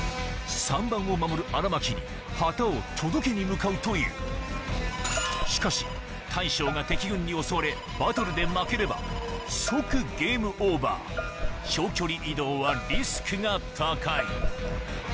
３番を守る荒牧に旗を届けに向かうというしかし大将が敵軍に襲われバトルで負ければ即ゲームオーバー長距離移動はリスクが高いよしよし勝った勝負にも。